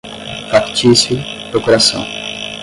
factício, procuração